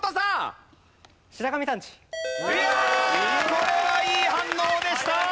これはいい反応でした。